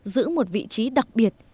giữ một vị trí đặc biệt